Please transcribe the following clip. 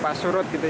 pas surut gitu ya